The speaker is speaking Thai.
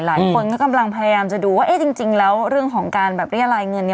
หลายคนก็กำลังพยายามจะดูว่าจริงแล้วเรื่องของการเรียกอะไรเงิน